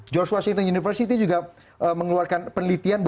george washington university juga mengeluarkan penelitian